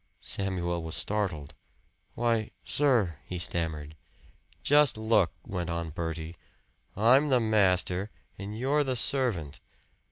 Samuel was startled. "Why sir " he stammered. "Just look!" went on Bertie. "I'm the master, and you're the servant.